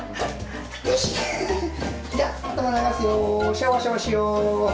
シャワシャワしよう。